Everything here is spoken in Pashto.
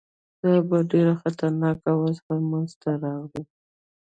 دا به ډېره خطرناکه وضع منځته راوړي.